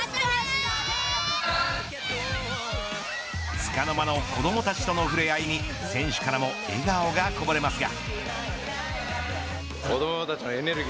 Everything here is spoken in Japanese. つかの間の子どもたちとの触れ合いに選手からも笑顔がこぼれますが。